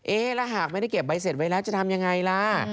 แล้วหากไม่ได้เก็บใบเสร็จไว้แล้วจะทำยังไงล่ะ